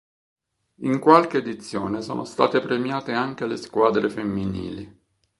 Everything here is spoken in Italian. In qualche edizione sono state premiate anche le squadre femminili.